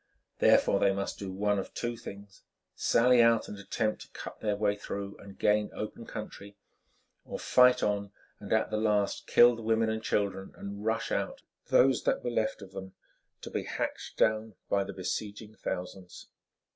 Therefore, they must do one of two things—sally out and attempt to cut their way through and gain open country, or fight on and at the last kill the women and children and rush out, those that were left of them, to be hacked down by the besieging thousands.